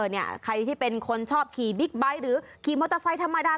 เนี่ยใครที่เป็นคนชอบขี่บิ๊กไบท์หรือขี่มอเตอร์ไซค์ธรรมดา